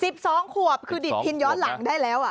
สิบสองขวบคือดิดพินย้อนหลังได้แล้วอ่ะ